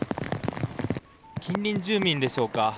近隣住民でしょうか。